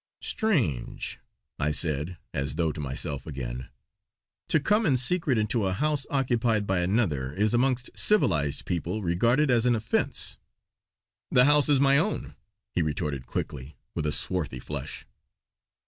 "Strange!" I said, as though to myself again. "To come in secret into a house occupied by another is amongst civilised people regarded as an offence!" "The house is my own!" he retorted quickly, with a swarthy flush.